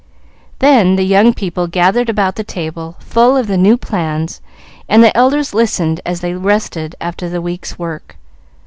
Then the young people gathered about the table, full of the new plans, and the elders listened as they rested after the week's work.